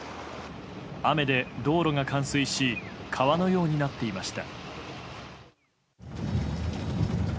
雨で道路が冠水し川のようになっていました。